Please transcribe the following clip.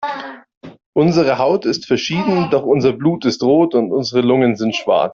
Unsere Haut ist verschieden, doch unser Blut ist rot und unsere Lungen sind schwarz.